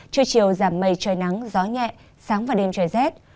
trưa chiều giảm mây trời nắng gió nhẹ sáng và đêm trời rét